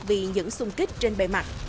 vì những xung kích trên bề mặt